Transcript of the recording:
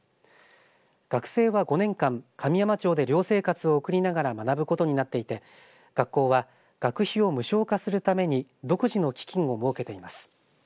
学生は５年間、神山町で寮生活を送りながら学ぶことになっていて学校は学費を無償化するために独自の基金を設けています。